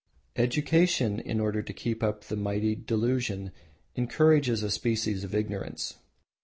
Education, in order to keep up the mighty delusion, encourages a species of ignorance.